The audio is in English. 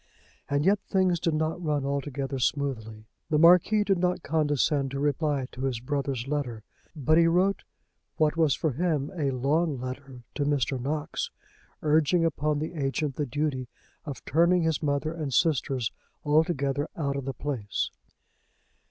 And yet things did not run altogether smoothly. The Marquis did not condescend to reply to his brother's letter; but he wrote what was for him a long letter to Mr. Knox, urging upon the agent the duty of turning his mother and sisters altogether out of the place.